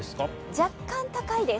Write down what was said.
若干高いです。